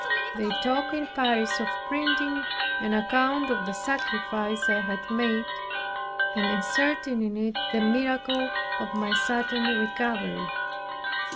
They talked in Paris of printing an account of the sacrifice I had made, and inserting in it the miracle of my sudden recovery.